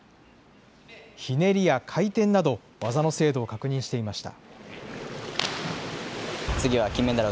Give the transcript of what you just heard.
ひねりや回転など、技の精度を確認していました。